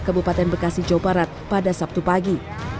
kabupaten bekasi jawa barat pada sabtu pagi